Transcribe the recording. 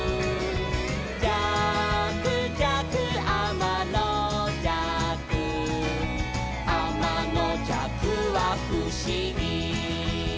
「じゃくじゃくあまのじゃく」「あまのじゃくはふしぎ」